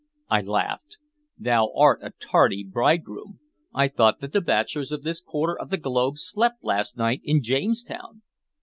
I laughed. "Thou art a tardy bridegroom. I thought that the bachelors of this quarter of the globe slept last night in Jamestown."